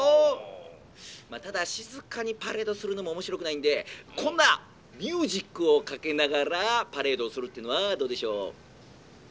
まあただ静かにパレードするのも面白くないんでこんなミュージックをかけながらパレードをするっていうのはどうでしょう？」。